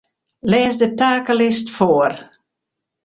Lês de takelist foar.